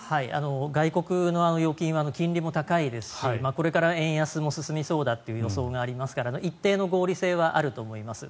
外国の預金は金利も高いですしこれから円安も進みそうだという予想がありますから一定の合理性はあると思います。